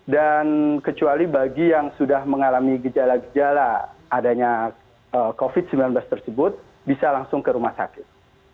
dan kecuali bagi yang sudah mengalami gejala gejala adanya covid sembilan belas tersebut bisa langsung ke rumah sakit